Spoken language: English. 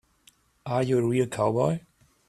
Are you a real cowboy?